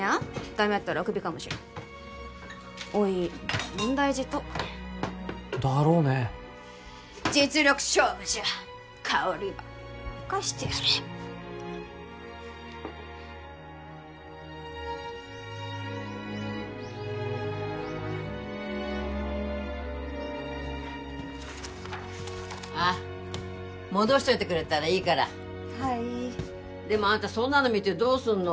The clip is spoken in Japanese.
ダメやったらクビかもしれんおい問題児とだろうね実力勝負じゃ香織ば見返してやるあっ戻しといてくれたらいいからはいいでもあんたそんなの見てどうすんの？